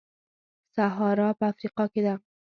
سهارا په افریقا کې ده.